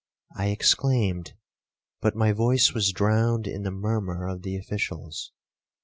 I exclaimed, but my voice was drowned in the murmur of the officials.